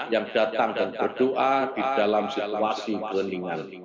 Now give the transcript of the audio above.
yang datang dan berdoa di dalam situasi beningan